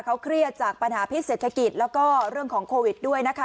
เขาเครียดจากปัญหาพิษเศรษฐกิจแล้วก็เรื่องของโควิดด้วยนะคะ